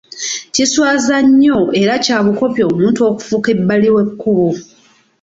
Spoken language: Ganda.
Kiswaza nnyo era kya bukopi omuntu okufuka ebbali w'ekkubo.